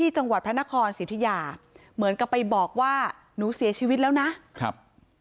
จังหวัดพระนครสิทธิยาเหมือนกับไปบอกว่าหนูเสียชีวิตแล้วนะครับ